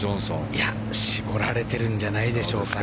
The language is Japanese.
いや、絞られてるんじゃないでしょうかね。